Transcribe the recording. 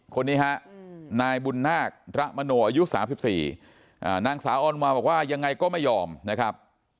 คนนี้ฮะนายบุญนาคระมโนอายุ๓๔นางสาวออนมาบอกว่ายังไงก็ไม่ยอมนะครับ